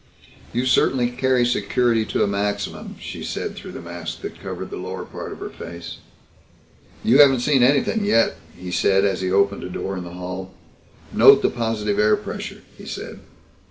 "You certainly carry security to a maximum," she said through the mask that covered the lower part of her face. "You haven't seen anything yet," he said as he opened a door in the hall. "Note the positive air pressure," he said.